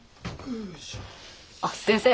あっ先生。